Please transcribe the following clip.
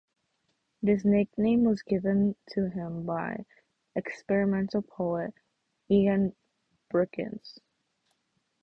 This nickname was given to him by the "experimental" poet Eugen Brikcius.